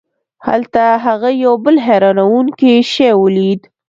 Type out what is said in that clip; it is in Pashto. هلته هغه یو بل حیرانوونکی شی ولید.